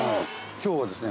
今日はですね